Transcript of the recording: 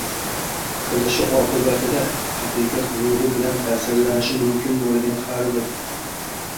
qilishi oqibatida haqiqat nuri bilan ta’sirlanishi mumkin bo‘lgan har bir